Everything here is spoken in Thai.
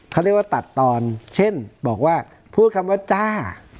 คุณก็ตัดตอนเช่นบอกว่าพูดคำว่าจ้า